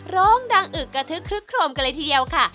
ร้องดังอึกกระทึกคลึกโครมกันเลยทีเดียวค่ะ